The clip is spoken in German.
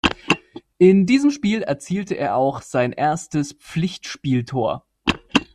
In diesem Spiel erzielte er auch sein erstes Pflichtspieltor.